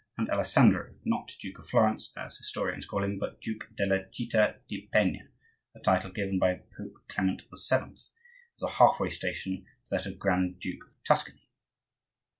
and Alessandro, not Duke of Florence, as historians call him, but Duke della citta di Penna, a title given by Pope Clement VII., as a half way station to that of Grand duke of Tuscany.